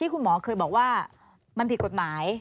คุณหมอเคยบอกว่ามันผิดกฎหมาย